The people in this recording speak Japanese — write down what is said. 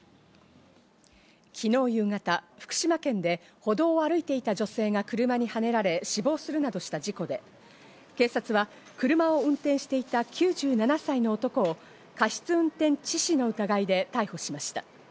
昨日夕方、福島県で歩道を歩いていた女性が車にはねられ、死亡するなどした事故で、警察は車を運転していた９７歳の男を過失運転致死の疑いで逮捕しました。